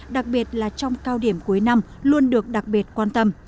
đặc biệt là trong cao điểm cuối năm luôn được đặc biệt quan tâm